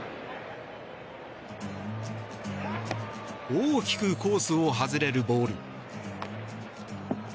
大きくコースを外れるボール。